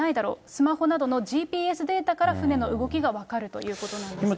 スマホなどのＧＰＳデータから、船の動きが分かるということなんです。